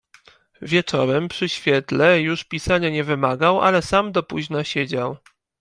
"Wieczorem, przy świetle, już pisania nie wymagał, ale sam do późna siedział."